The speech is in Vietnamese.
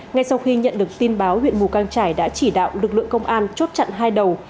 ngay sau khi nhận được tin báo huyện mù căng trải đã chỉ đạo lực lượng công an chốt chặn hai đầu